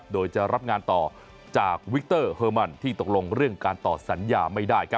โดยจะรับงานต่อจากวิกเตอร์เฮอร์มันที่ตกลงเรื่องการต่อสัญญาไม่ได้